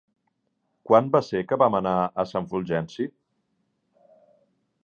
Quan va ser que vam anar a Sant Fulgenci?